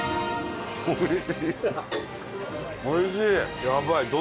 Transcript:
おいしい！